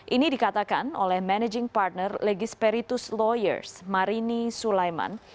ini dikatakan oleh managing partner legisperitus lawyers marini sulaiman